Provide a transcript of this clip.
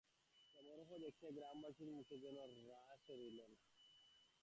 সমারোহ দেখিয়া গ্রামবাসীদের মুখে যেন রা সরিল না।